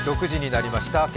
６時になりました。